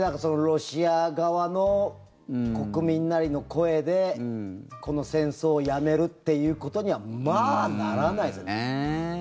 ロシア側の国民なりの声でこの戦争をやめるっていうことにはまあならないですよね。